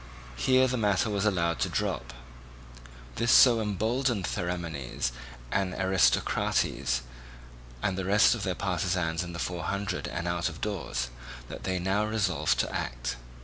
Here the matter was allowed to drop. This so emboldened Theramenes and Aristocrates and the rest of their partisans in the Four Hundred and out of doors, that they now resolved to act.